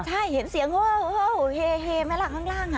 ใช่เห็นเสียงเฮ่เหมือนล่ะทางล่าง